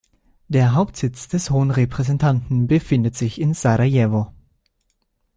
Der Hauptsitz des Hohen Repräsentanten befindet sich in Sarajevo.